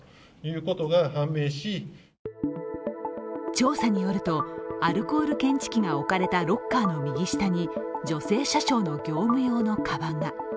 調査によるとアルコール検知器が置かれたロッカーの右下に女性車掌の業務用のかばんが。